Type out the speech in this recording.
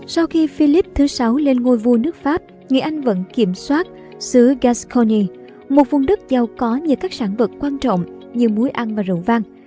sau khi philip vi lên ngôi vua nước pháp người anh vẫn kiểm soát xứ gascony một vùng đất giàu có nhiều các sản vật quan trọng như muối ăn và rượu văn